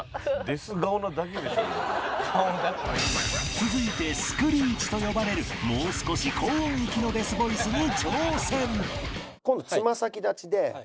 続いてスクリーチと呼ばれるもう少し高音域のデスボイスに挑戦